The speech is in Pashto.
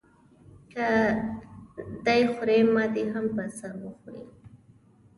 که دی خوري ما دې هم په سر وخوري.